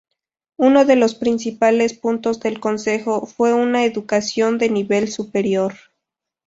Uno de los principales puntos del Consejo fue una educación de nivel superior.